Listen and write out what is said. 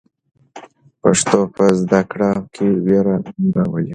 پښتو په زده کړه کې وېره نه راولي.